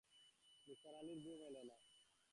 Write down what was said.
নিসার আলির ঘুম এল না।